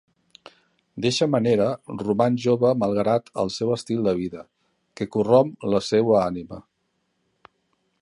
D’eixa manera, roman jove malgrat el seu estil de vida, que corromp la seua ànima.